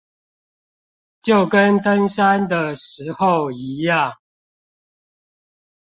就跟登山的時候一樣